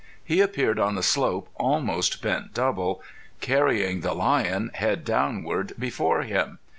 He appeared on the slope almost bent double, carrying the lion, head downward, before him.